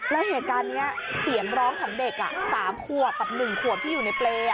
แล้วเหตุการณ์เนี้ยเสียงร้องทำเด็กอ่ะสามควบแบบหนึ่งควบที่อยู่ในเปรย่อ